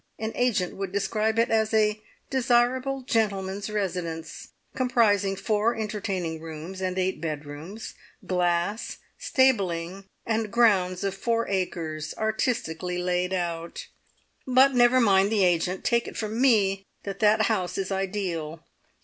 An agent would describe it as a `desirable gentleman's residence, comprising four entertaining rooms and eight bedrooms, glass, stabling, and grounds of four acres, artistically laid out'. But never mind the agent; take it from me that that house is ideal.